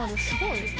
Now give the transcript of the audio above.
すごい。